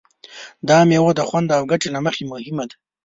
دا مېوه د خوند او ګټې له مخې مهمه ده.